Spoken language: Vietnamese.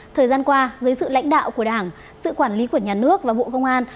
thời gian qua dưới sự lãnh đạo của đảng sự quản lý của nhà nước và bộ công an